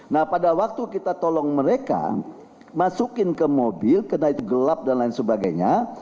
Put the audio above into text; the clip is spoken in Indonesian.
nah pada waktu kita tolong mereka masukin ke mobil kena itu gelap dan lain sebagainya